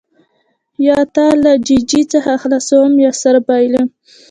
یا تا له ججې څخه خلاصوم یا سر بایلم.